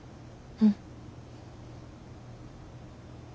うん。